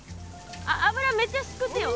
油めっちゃすくってよ。